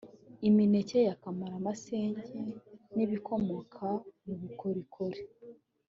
imineke ya kamarasenge n’ibikomoka mu bukorikori